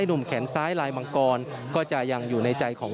และก็มีการกินยาละลายริ่มเลือดแล้วก็ยาละลายขายมันมาเลยตลอดครับ